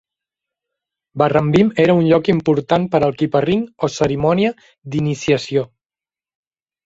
Barrambin era un lloc important per al "kippa-ring" o cerimònia d'iniciació.